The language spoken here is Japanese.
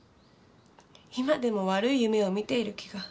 今でも悪い夢を見ている気が。